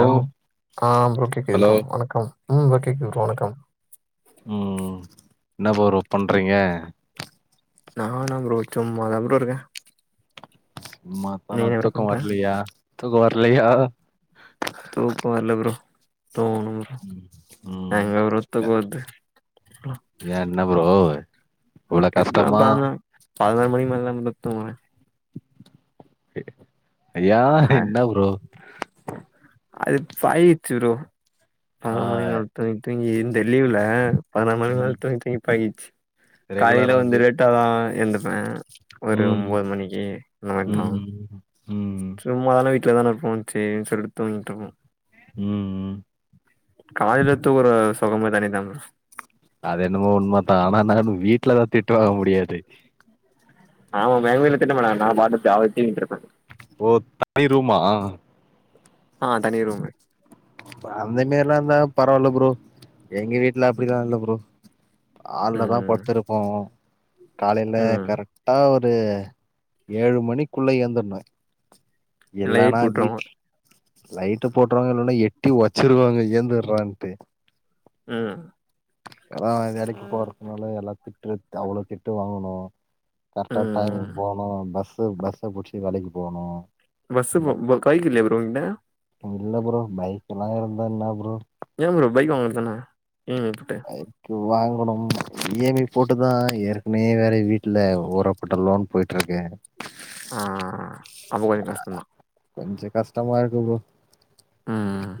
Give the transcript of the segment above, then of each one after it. ஓ ம் ஓகே கேக்குது hello bro வணக்கம் ம் என்ன ப்ரோ ஒர்க் பண்றீங்க நானா ப்ரோ சும்மாதா ப்ரோ இருக்க சும்மா தானா என்ன ப்ரோ தூக்கோ பண்ற வர்லியா தூக்கோ வர்லையா தூக்கோ வர்ல ப்ரோ தூங்னு ம் ம் எங்க ப்ரோ தூக்கோ வர்து ஏன் என்ன ப்ரோ இவ்ளோ இப்லா கஷ்டமா தாங்கும் பதுனோரு மணிக்கு மேல தா ப்ரோ‌ தூங்குவ அ என்ன ப்ரோ அது பழகிச்சு ப்ரோ ஆ பதினோரு மணிக்கு மேல தூங்கி தூங்கி இந்த லீவுல பதினோரு மணிக்கு ம் மேல தூங்கி தூங்கி பழகிச்சு காயில வந்து ரெகுலராவே லேட்டா தா எந்துப்ப ஒரு ம் ஒம்போது மணிக்கு ஏந்தோ ம் ம் சும்மா தான வீட்ல தான இர்ப்போம் சேரின் சொல்ட்டு தூங்கிட்ருப்போம் ம் ம் காய்ல தூங்குற சுகமே தனி தா ப்ரோ அது என்னமோ உண்ம தா ஆனா நானு வீட்ல தா திட்டு வாங்க முடியாது ஆ என்ன யாரும் என்ன திட்டமாட்டங்க நா பாட்ன்னு ஜாலியா தூங்கின்ருப்ப ஓ தனி ரூமா ஆ தனி ரூம்மு அந்த மாரிலா இருந்தா பரவாயில்ல ப்ரோ எங்க வீட்டுல அப்டிலா இல்ல ப்ரோ ஹால்ல தா ம் படுத்திருப்போ காலையில ம் கரக்டா ஒரு து ஏழு மணிக்குள்ள எழுந்துர்ன்னு இல்ல இல்லன்னா எழுப்பி விட்ருவாங்க வீட் லைட்டு போட்டுருவாங்க இல்லன்னா எட்டி ஒதச்சிருவாங்க ஏந்துறான்ட்டு ம் அதா இது வேலைக்கு போறதுக்கு முன்னால எல்லா திட்டு அவ்வளவு திட்டு வாங்கணு கரக்டா ம் ம் டைமுக் போன்னு பஸ்ஸு பஸ்ஸ புடிச்சு வேலைக்கு போன்னு பஸ்ஸு ப்ரோ பைக் இல்லயா ப்ரோ உங்கள்ட இல்ல ப்ரோ பைக்ல்லா இருந்தா என்னா ப்ரோ எய ப்ரோ பைக் வாங்க வேண்டியதான இ எம் ஐ போட்டு பைக் வாங்கணு இ எம் ஐ போட்டு தா ஏற்கனே வேற வீட்டில ஓரப்பட்ட லோன் போயிட்ருக்கு ஆ அப்ப கொஞ்சோ அ கஷ்டந்தா கொஞ்ச கஷ்டமா இருக்கு ப்ரோ ம்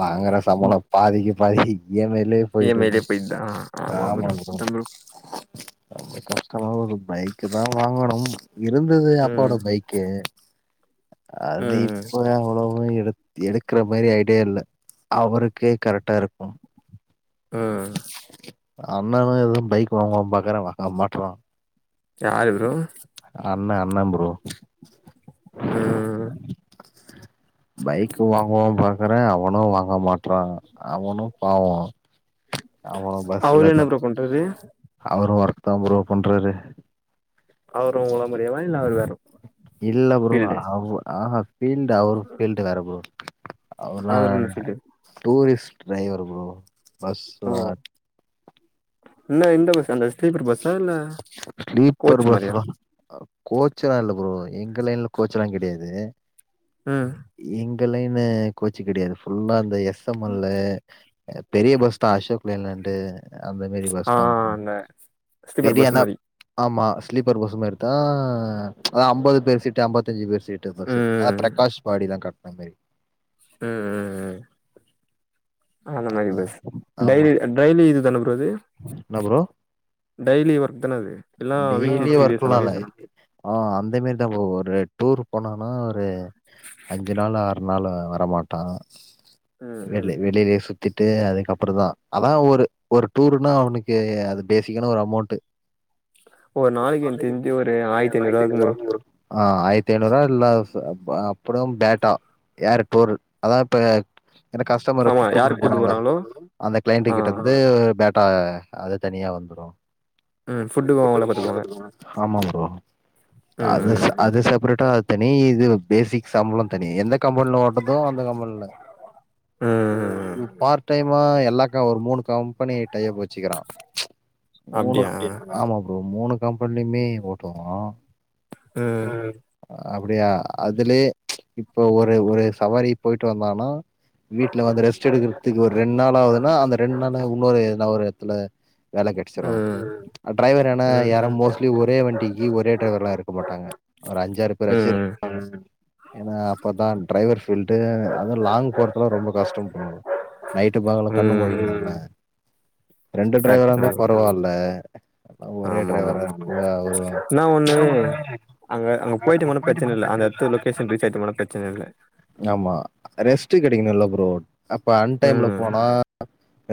வாங்குற சம்பள பாதிக்கு பாதி இ எம் ஐ லே இ போயிட்டு எம் ஐ இருக்கு லயே போயிடுதா ஆமா ப்ரோ அதா ரொம்ப கஷ்டமாவு இருக்கு ஒரு பைக்கு தா வாங்கணும் இருந்து ம் அப்பாவோட பைக் கு அது ம் இப்ப அவ்வளவு எடுத்து எடுக்குற மாதிரி ஐடியா இல்ல அவருக்கே கரக்டா இருக்கும் ம் அண்ணனு எதுவு பைக் வாங்குவானு பாக்கற வாங்க மாட்றா யாரு ப்ரோ அண்ண அண்ண ப்ரோ ம் பைக்கு வாங்குவ பாக்குற அவனு வாங்க மாட்ற அவனு பாவ ஆமா அவரு பஸ்ல என்ன தா ப்ரோ பண்றாரு அவரு ஒர்க் தா ப்ரோ பண்றாரு அவரு உங்கள மாறியேவா இல்ல அவரு வேற இல்ல ப்ரோ ஃபீல்டு அவ் ஆ ஃபீல்டு அவர் ஃபீல்டு வேற ப்ரோ அவருளா அவரு என்ன ஃபீல்டு டூரிஸ்ட் ட்ரைவர் ப்ரோ ஓ பஸ்லா என்ன இந்த பஸ் அந்த ஸ்லீப்பர் பஸ்ஸா இல்ல கோச் மாரியா கோச்சல்லா இல்ல ப்ரோ எங்க லைன்ல கோச்ச எல்லா கிடையாது ம் எங்க லைன்னு கோச்சி கிடையாது ஃபுல்லா அந்த எஸ் எம் எல்லு பெரிய பஸ் தா அசோக் லேலன்ட்டு அந்த மாரி ஆ பஸ் தா ப்ரோ அந்த ஸ்லீப்பர் பஸ் பெரியனா மாரி ஆமா ஸ்லீப்பர் பஸ் மாரிதா அதா அம்பது பேர் சீட்டு அம்பத்தஞ்சு பேர் சீ ட்டு பஸ் ஆ ம் பிரகாஷ் பாடி தா கட்ன மேரி ம் ம் ம் ஆ அந்த மாதிரி பஸ் ஆமா டைலி டெய்லி இதுதான்ன ப்ரோ அது என்ன ப்ரோ டெய்லி ஒர்க் தான அது இல்லனா வீக்லி டெய்லி த்ரீ டேஸ் ஒர்க்லா அந்த இல்ல மாரியா ஆ அந்த மேரிதா ப்ரோ ஒரு டூர் போனனா ஒரு அஞ்சு நாள் ஆறு நாள் அ வரமாட்டா ம் வெளி வெளிலே சுத்திட்டு அதுக்கப்பற தா அதா ஒரு ஒரு டூருன்னா அவனுக்கு அது பேசிக்கான ஒரு அமௌண்ட் ஒரு நாளைக்கு எனக்கு தெரிஞ்சு ஒரு ஆயிரத்து ஐநூறுவா இருக்கு ப்ரோ ஆ ஆயிரத்தி ஐநூறு ரூபா இல்ல அப்றோம் பேட்டா யாரு டூர் அதா இப்ப என கஷ்டமரு ஆமா யாரு கூட்டுனு கூட்டு போறாங்கள போறாங்களோ அந்த கிளைண்டு ஆ கிட்ட வந்து பே ட்டா அது தனியா வந்துடு ம் ஃபுட்டுக்கு அவங்களே பாத்துக்குவாங்க ஆமா ப்ரோ ம் அது அது செப்ரேட்டா அது தனி இது பேசிக்ஸ் சம்பளம் தனி எந்த கம்பெனில ஓட்டுறதோ அந்த கம்பெனில ம் ம் ம் பார்ட் டைமா எல்லாக்க ஒரு மூணு கம்பெனி டைய யப் வச்சுக்கிறா மூணு அப்டியா ஆமா ப்ரோ மூணு கம்பெனிலுமே ஓட்டுவோ ம் அப்டியா அதுலே இப்போ ஒரு ஒரு சவாரி போயிட்டு வந்தனா வீட்ல வந்து ரெஸ்ட் எடுக்கறதுக்கு ஒரு ரெண்டு நாள் ஆகுதுன்னா அந்த ரெண்டு நாள்ல இன்னொரு எதுனா ஒரு இடத்துல வேல கெடச்சிரு ம் டிரரைவர் ஏன்னா ம் யாரும் மோஸ்ட்லி ஒரே வண்டிக்கி ஒரே டிரைவர்லா இருக்க மாட்டாங்க ஒரு அஞ்சாறு பேராச்சு இருப் ம் ஏன்னா அப்பதா டிரைவர் ஃபீல்டு அதுவு லாங் போறதல ரொம்ப கஷ் டோ ப்ரோ நைட்டு பகலு கண்ணு ம் முழிக்கிறோல ரெண்டு டிரைவரா கரெக்ட் தா இருந்தா ப்ரோ பரவாயில்ல அ ஒரே ஆமா ஆமா டிரைவரா இருக்கு அவுரு என்னா ஒண்ணு அங்க அங்க போயிட்டு போனா பிரச்சன இல்ல அந்த இடத்து லொகேஷன் ரீச் ஆயிட்டு போனா பிரச்சன இல்ல ஆமா ரெஸ்ட்டு கெடைக்கணுல்ல ப்ரோ அப்ப அன் டைம்ல ம் போனா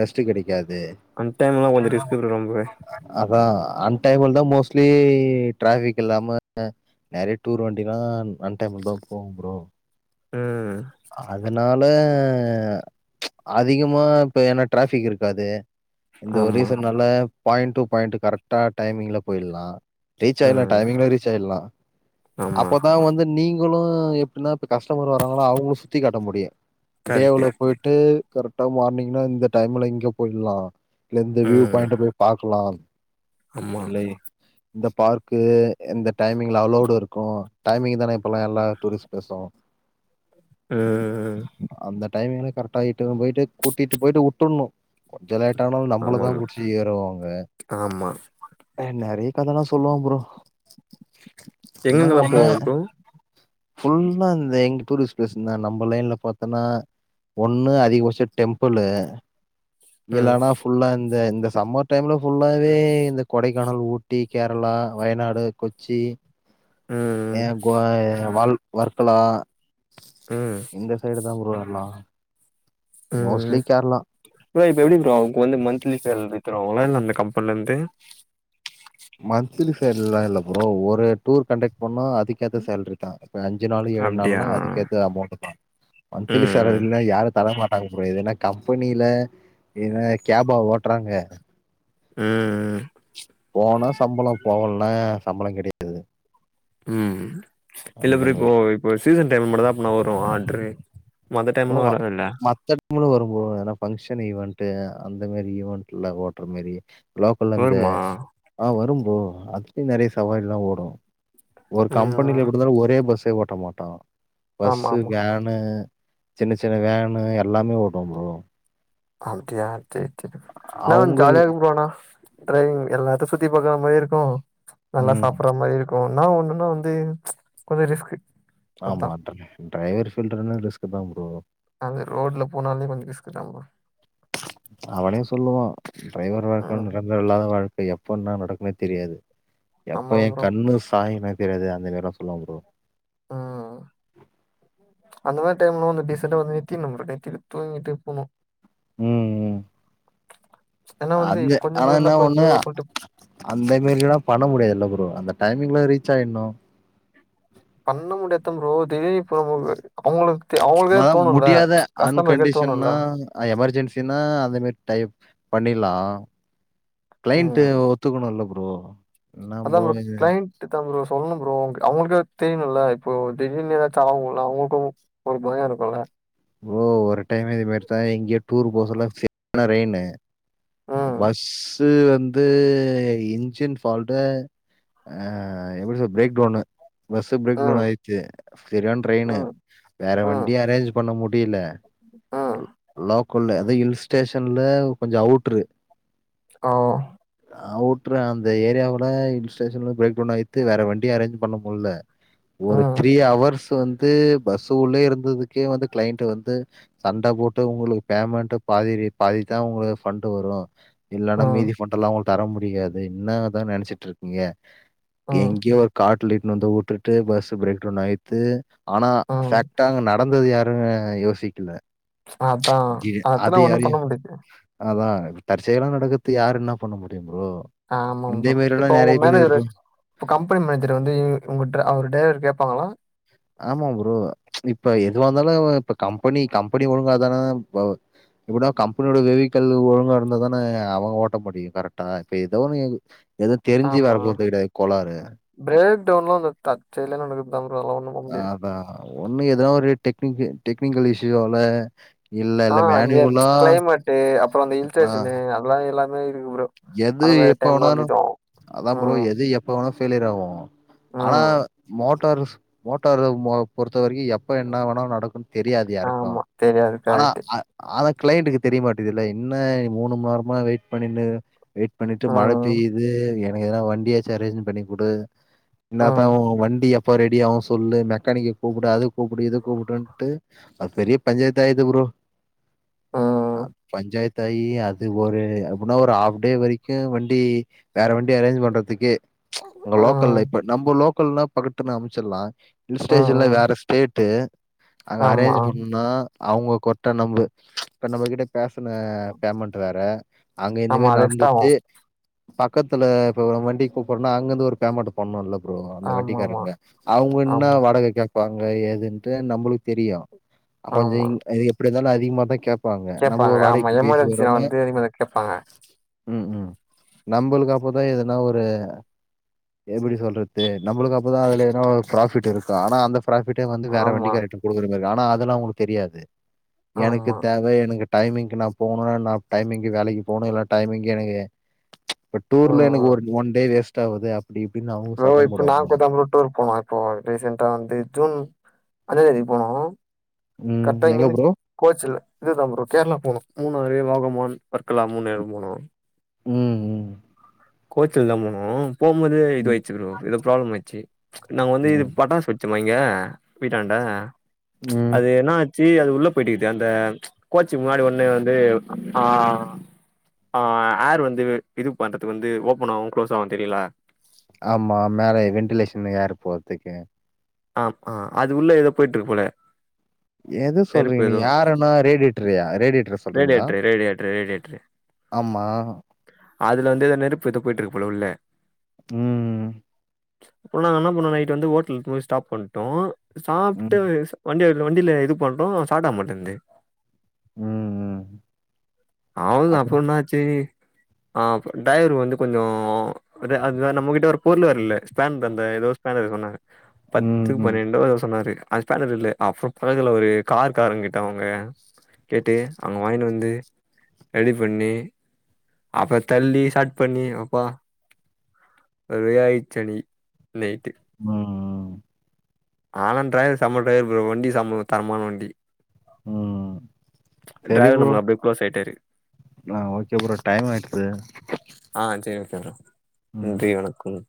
ரெஸ்ட்டு கெடைக்காது அன் டைம்லலா கொஞ்ச ரிஸ்க் ப்ரோ ரொம்ப அதா அன் டைம்ல தா மோஸ்ட்லி டிராபிக் இல்லாம நெறைய டூர் வண்டில்லா அன் டைம்ல தா போகு ப்ரோ ம் அதனால அதிகமா இப்ப ஏன்னா டிராபிக் இருக்காது இந்த ஒரு ஆமா ரீசன்னால பாயிண்ட் டு பாயிண்ட் கரெக்டா டைமிங்ல போயிட்லா ரீச் ஆயிட்லா ம் டைமிங்ல ரீச் ஆயிட்லா ஆமா அப்பதா வந்து நீங் ளு எப்டினா இப்ப கஸ்டமரு வராங்ளோ அவுங்ளு சுத்தி காட்ட முடியு கரெக்ட்டு டேவ்ல டு கரெக்ட்டா மார்னிங்னா இந்த டைம்ல இங்க போயிட்லா இல்ல இந்த வியூ ம் பாயிண்ட் போ பாக்லா ஆமா இல்லை இந்த பார்க்கு எந்த டைமிங்ல அலோடு இருக்கு டைமிங் தான இப்போலா எல்லா டூரிஸ்ட் பிளேஸ்ஸு ம் அந்த டைமிங்கு கரெக்டா இட்டுனு போய்ட்டு கூட்டிட்டு போயிட்டு உட்டுர்ணு கொஞ்ச லேட்ட ஆனாலு ஆமா நம்மளதா மேம் புடிச்சி ஏறுவாங்க ஆமா நெறைய கதல்லா சொல்லுவான் ப்ரோ என்ன எங்கெங்கெல்லா ஒண்ணு போவாங்க ப்ரோ ஃபுல்லா இந்த எங்க டூரிஸ்ட் பிளேஸ் இருந்தா நம்ம லைன்ல பார்த்தன்னா ஒண்ணு அதிகபட்ச டெம்பிள்ளு ம் இல்லனா ஃபுல்லா இந்த இந்த சம்மர் டைம்ல ஃபுல்லாவே இந்த கொடைக்கானல் ஊட்டி கேர்ளா வயநாடு கொச்சி ம் ஏ கோ வால் வர்க்கலா ம் இந்த சைடு தா ப்ரோ எல்லா ம் மோஸ்ட்லி கேரளா ப்ரோ இப்ப எப்டி ப்ரோ உங்க வந்து மந்த்லி சேல்ரி தருவாங்ளா இல்ல அந்த கம்பன்லருந்து மந்த்லி சேல்ரிலா இல்ல ப்ரோ ஒரு டூர் கண்டக்ட் பண்ணா அதுக்கேத்த சேல்ரி தா இப்ப அஞ்சு நாள் ஏழு அப்டியா நாள்னா அதுக்கேத்த அமௌண்ட் தா மந்திலி ம் சேலரினா யாரு தர மாட்டாங்க ப்ரோ இது என்ன கம்பெனில என்ன கேபா ஓட்றாங்க ம் போனா சம்பள போகலனா சம்பள கெடையா ம் இல்ல அந்த ப்ரோ இப்போ மாரி. இப்போ சீசன் டைம் மட்டுந்தா அப்பனா வரு ஆட்ரு ஓ மத்த நாளு வரும் ப்ரோ ஏன்னா பங்க்ஷன் ஈவெண்ட் அந்த மாரி ஈவென்ட்ல ஓட்ற மாரி லோக்கல்ல இருந்து வருமா ஆ வரும் ப்ரோ அதுலயு நெறையா சவாரி எல்லா ஓடு ஒரு கம்பெனில ம் எப்டிருந்தாலு ஒரே பஸ்ஸே ஓட்ட மாட்டோ ஆமா பஸ்ஸு ஆமா வேனு சின்ன சின்ன வேனு எல்லாமே ஓட்டுவ ப்ரோ அப்டியா சேரி செரி இன்னா அவங்க ஜாலிய இருக்கு ப்ரோ ஆனா டிரைவிங் எல்லாத்த சுத்தி பாக்கற மாரியு இருக்கு நல்லா ம் சாப்பற மாரியு இருக்கு என்னா ஒண்ணுன்னா வந்து கொஞ்ச ரிஸ்க்கு அதா ஆமா ட்ர டிரைவர் ஃபீல்டுனா ரிஸ்க்குதா ப்ரோ அங்க ரோட்ல போனாலே கொஞ்ச ரிஸ்க்குதா ப்ரோ அவனே சொல்லுவா டிரைவர் வாழ்க்கல ம் நிரந்தர இல்லாத வாழ்க்கை எப்ப என்னா நடக்குனே தெரியாது ஆமா எப்ப எ ப்ரோ கண்ணு சாயுனே தெரியாது அந்த டயலாக் சொல்லுவா ப்ரோ ம் அந்த மாரி டைம்ல வந்து டீசண்டா வந்து நித்தினும் ப்ரோ நித்திட்டு தூங்கிட்டு போணு ம் ம் ஏன்னா வந்து அங்க கொஞ்ச ஆனா தூரோ தா என்ன கொஞ்ச ஒண்ணு தூரோ சொல்ட்டு அந்த மேரிலா பண்ண முடியாதுல்ல ப்ரோ அந்த டைமிங்ல ரீச் ஆயிர்ணு பண்ண முடியாத்த ப்ரோ [unintelligible] அவங்களுக் அவங்களுக்கே அதான் தோணுல்ல கஸ்டமருக்கே தோணுல்ல அ எமெர்ஜென்சினா அந்த மேரி டை பண்ணிர்லா கிளைண்ட்டு ஒத்துக்கணு இல்ல ப்ரோ என்ன அதா ப்ரோ இது க்ளைண்ட் தா ப்ரோ சொல்ணும் ப்ரோ அவங்களுக்கே அது தெரியணுல்ல இப்போ திடீர்னு எதாச்சு ஆவுல்ல அவங்களுக்கு ஒரு பய இருக்குல்ல ப்ரோ ஒரு டைம் இது மாரிதா எங்கயோ டூர் போசல்ல செரியான ரெயினு ம், பஸ்ஸு வந்து இன்ஜின் ஃபால்ட்டு அ எப்டி சொல் break town bus break down ம், ஆயிச்சு சரியான ரெயினு ம், வேற வண்டி ம், அரேன்ச் பண்ண முடில ம். லோக்கல்ல அது ஹில் ஸ்டேஷன்ல கொஞ்ச அவுட்ரு ஓ அவுட்ரு அந்த ஏரியாவுல ஹில் ஸ்டேஷன்ல பிரேக் டவுன் ஆயித்து வேற வண்டி அரேஞ்ச் பண்ண முல்ல ஒரு ம், த்ரீ ஹவர்ஸ் வந்து பஸ்ஸு உள்ளே இருந்ததுக்கே வந்து கிளைண்ட்டு வந்து சண்ட போட்டு உங்களுக்கு பேமெண்ட்டு பாதி பாதிதா உங்களுக்கு ஃபண்டு வரு இல்லன்னா மீதி ம், ஃபண்டலா உங்களுக் தர முடியாது இன்னதா நெனச்சிட்ருக்கிங்க ம், எங்யோ காட்ல இட்னு வந்து உட்டுட்டு பஸ் பிரேக் டவுன் ஆயித்து ஆனா ம். ஃபேக்டா அங்க நடந்தது யா ரு யோசிக்கில அதா அதலா ஒண்ணு பண்ண முடியாது அதா தற்செயலா நடக்கறதுக் யார் என்ன பண்ண முடியு ப்ரோ ஆமாம் இதே ப்ரோ மாரிலாம் இப்ப உங்க நெறைய பேர் மேனேஜரு இருப்பாங்க. இப்ப கம்பெனி மேனேஜர் வந்து உங்க ட அவர டிரைவர கேப்பாங்களா ஆமா புரோ இப்ப எதுவா இந்தாலு இப்ப கம்பெனி கம்பெனி ஒழுங்காதான ப் இப்படா கம்பெனியோட வெவிகல் ஒழுங்கா இருந்தா தானே அவங்க ஓட்ட முடியும் கரெக்டா இப்ப ஏதோ ஒன்னு ஏதோ தெரிஞ்சு ஆமா. வர போறது கெட்யாது கோளாரு பிரேக் டவுன்லாம் அந்த தர்ச்செயல நடக்கற்தா ப்ரோ அதலா ஒன்னும் அதா ஒண்ணு எதோ ஒரு டெக்னிக்கு டெக்னிக்கல் இஷ்யூவால இல்ல, ஆ இல்ல [unintelligible] மேனுவலா கிளைமேட்டு அப்புறம் அந்த ஹில் அப்ப ஸ்டேஷனு அதெல்லா எல்லாமே இருக்கு ப்ரோ எது அந்த மாரி எப்ப டைம்ல வேனாலு வந்துட்டோம். அதா ப்ரோ ம், எது எப் பவேனா ஃபெலியர் ஆவு ஆனா ம். மோட்டார் மோட்டார் பொறுத்த வரைக்கும் எப் ப்ப என்ன வேணா நடக்குன்னு தெரியாது யாருக்கு ஆமா. தெரியாது. ஆனா கரெக்ட்டு. ஆ அதா கிளைண்டுக்கு தெரிய மாட்டேது இல்ல என்ன மூணு மண் நேரமா வெயிட் பண்ணினு வெயிட் பண்ணிட்டு மழ ம், பெய்யுது எனக்கு ஏதனா வண்டியாச்சும் அரேஞ்ச் பண்ணி குடு என்னத்தா ம், உ வண்டி எப்போ ரெடிய ஆவு சொல்லு மெக்கானிக்க கூப்புடு அது கூப்புடு இது கூப்புடுன்ட்டு அது பெரிய பஞ்சாயத்து ஆயித்து ப்ரோ அ ம், பஞ்சாயத்து ஆயி அது ஒரு அப்புன்னா ஒரு ஆப் டே வரைக்கு வண்டி வேற வண்டி அரேஞ்ச் பண்றதுக்கே லோக்கல் ம், இப்ப நம்ப லோக் கல்னா பகட்டுன்னு அமுச்சிட்லா ஹில் ஸ்டேஷன்ல ம். வேற ஸ்டேட்டு அங்க ஆமா. அரேஞ்ச் பண்ணுனா அவங்க கொட்ட நம் இப்ப நம்மகிட்ட பேசன பேமெண்ட் வேற அங்க ஆமா. இனிமே நா அது எக்ஸ்ட்ரா தெர்ஞ்சி ஆவும். பக்கத்துல ப்ப வண்டிக்கு கூப்னா அங்கிந்து ஒரு பேமன்டு போண்ணு இல்ல ப்ரோ அந்த ஆமாமா. வட்டிக்காரங்க அவ்ங்க ஆமா, என்ன ஆமா. வாடக கே ப்பாங்க எதுன்டு நம்மளுக்கு தெரியு கொஞ்ச ஆமா எப்டி இருந்தாலு அதிகமா தா கேப் ப்பாங்க நம்ம ஒரு வாடைக்கு பேசி வரமே இனிமேலு கேப்பாங்க ம் ம் நம்பளுக்கு அப்பதா எதனா ஒரு எப்படி சொல்றது நம்பளுக்கு அப்பதா அதுல என்ன ஒரு ப்ராஃபிட் இருக்கு ஆனா அந்த ப்ராஃபிட்ட வந்து வேற ஆமா, வண்டிகாரட்ட குடுக்குற மாரிக்கு ஆனா அதெல்லா அவங்ளுக்கு தெரியாது எனக்கு ஆமா. தேவ எனுக்கு டைமிங்கு நா போகணு நா டைமிங்கு வேலைக்கு போணு இல்லா டைமிங் எனக்கு இப்ப டூர்ல எனக்கு ம். ஒரு ஒன் டே வேஸ்ட் ஆவுது அப்டி இப்டின்னு ப்ரோ சத்தம் இப்ப போடுவாங்க நாங்கூட்தா டூர் போனோ இப்போ ரீசென்டா வந்து ஜூன் அஞ்சா தேதி போனோ ம் கரெக்டா எங்க இங்கன்னு ப்ரோ கோச்சில இதுதா ப்ரோ கேரளா போனு மூணாறு வாகமான் வர்கலா மூணு எடொ போனோ ம் ம் கோச்சில்ல தா போனோ போம்போது இது ம் ஆய்ச்சு ப்ரோ எதோ ப்ராப்ளம் ஆயிச்சு நாங்க வந்து இது ம் பட்டாசு வெச் ச்சமா இங்க வீட்டான்ட ம் அது என்னாச் சி அது உள்ள போயிட்டுக்குது அந்த கோச்சி முன்னாடி ஒன்னு வந்து ஆ ஆ ஹார் வந்து இது பண்றதுக்கு வந்து ஓபன் ஆவும் க்ளோஸ் ஆவும் தெரியுல ஆமா மேல வென்டிலேஷன் ஏர் போர்துக்கு ஆம் ஆ அது உள்ள ஏதோ போயிட்டுருக்கு போல எத நெருப்பு சொல்றீங்க நீ ஏதோ யாருனா ரேடியட்டர்யா ரேடியேட்டர் சொல்றீங் ரெடியேட்ரு ரெடியேட்ரு ரெடியேட்ரு ஆமா அதுல வந்து எதோ நெருப்பு ஏதோ போயிட்டுருக்கு போல உள்ள ம் அப்பொ நாங்க என்ன பண்ணோ நைட் வந்து ஹோட்டலு போய் ஸ்டாப் பண்ட்டோ சாப்ட்டுட்டு ம் வண்டியெடுக் வண்டில இது பண்றோ சாட்டாக மாட்டேந்து ம் ம் ஆவ்ள்தா அப்றோ அப்றந்தா சேரி ஆ டைவர் வந்து கொஞ்சோ அது அதுதா நம்மகிட்ட ஒரு பொருள் வர்ல ஸ்பேன் பண்ற ஏதோ ஸ்பேன் இருக்குனாங்க ம் பத்து ம் பன்னெண்டோ அத சொன்னாரு அது ஸ்பேனர் இல்ல அப்றொ பழகுல ஒரு கார் காரங்க கிட்ட அவுங்க கேட்டு அங்க வாங்னு வந்து ரெடி பண்ணி அப்ற தள்ளி ஸாட் பண்ணி அப்பா ஒரு வழியாச்சன்னக்கி நைட்டு ம், ஆனா ட்ரைவர் செம ட்ரைவர் ப்ரோ வண்டி சம தரமான வண்டி ம். ட்ரைவர் நம்மல அப்டியே க்ளோஸ் ஆய்ட்டாரு ஆ ஓகே ப்ரோ டைம் ஆயிட்து ஆ செரி வச்சிற்றா ம். நன்றி வணக்கம்